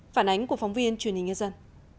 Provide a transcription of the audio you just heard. phản ánh của phóng viên truyền hình nghe dân